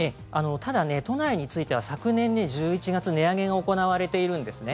ただ、都内については昨年１１月値上げが行われているんですね。